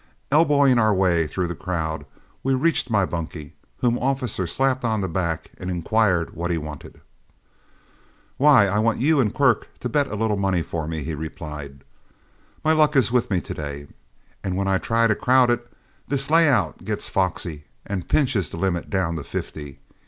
Elbowing our way through the crowd, we reached my bunkie, whom Officer slapped on the back and inquired what he wanted. "Why, I want you and Quirk to bet a little money for me," he replied. "My luck is with me to day, and when I try to crowd it, this layout gets foxy and pinches the limit down to fifty.